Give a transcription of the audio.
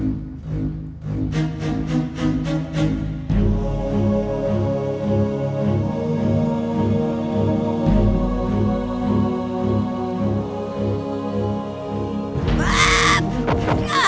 untuk produktivitas siapa sendiri